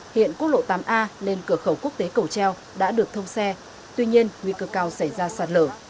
hiện quốc lộ tám a lên cửa khẩu quốc tế cầu treo đã được thông xe tuy nhiên nguy cơ cao xảy ra sạt lở